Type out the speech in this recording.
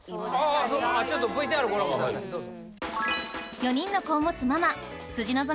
ああそうちょっとＶＴＲご覧くださいどうぞ。